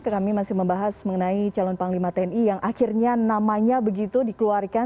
kami masih membahas mengenai calon panglima tni yang akhirnya namanya begitu dikeluarkan